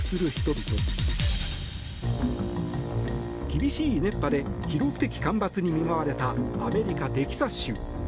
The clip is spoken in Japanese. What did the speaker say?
厳しい熱波で記録的干ばつに見舞われたアメリカ・テキサス州。